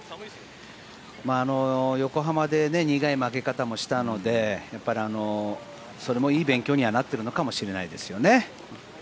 横浜で苦い負け方もしたのでそれもいい勉強にはなってるのかもしれないですよね。